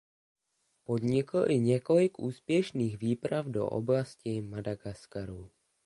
Podnikl i několik úspěšných výprav do oblasti Madagaskaru.